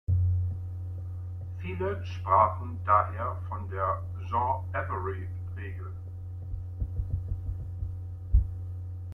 Viele sprachen daher von der "„Sean-Avery-Regel“".